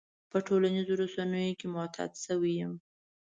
په ټولنيزو رسنيو معتاد شوی يم.